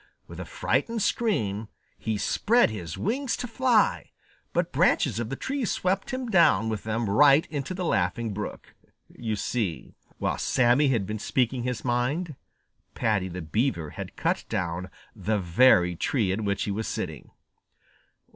With a frightened scream, he spread his wings to fly, but branches of the tree swept him down with them right into the Laughing Brook. You see while Sammy had been speaking his mind, Paddy the Beaver had cut down the very tree in which he was sitting.